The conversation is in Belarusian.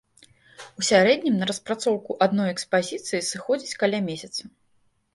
У сярэднім на распрацоўку адной экспазіцыі сыходзіць каля месяца.